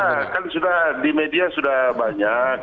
ya kan sudah di media sudah banyak